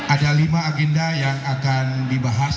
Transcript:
ada lima agenda yang akan dibahas